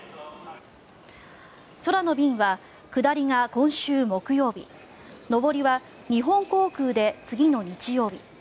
空の便は下りが今週木曜日上りは日本航空で次の日曜日